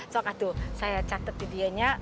soalnya tuh saya catet di dianya